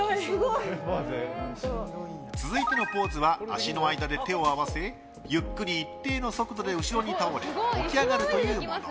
続いてのポーズは足の間で手を合わせゆっくり一定の速度で後ろに倒れ起き上がるというもの。